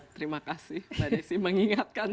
terima kasih mbak desi mengingatkan